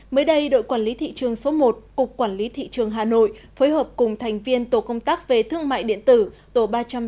mới đây đội quản lý thị trường số một cục quản lý thị trường hà nội phối hợp cùng thành viên tổ công tác về thương mại điện tử tổ ba trăm sáu mươi